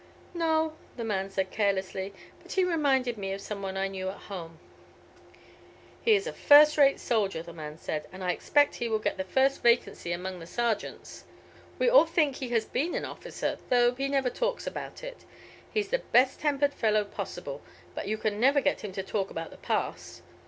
"No," the man said, carelessly; "but he reminded me of some one I knew at home." "He is a first rate soldier," the man said, "and I expect he will get the first vacancy among the sergeants. We all think he has been an officer, though he never talks about it. He's the best tempered fellow possible, but you can never get him to talk about the past.